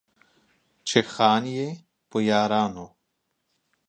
چې خان يې، په يارانو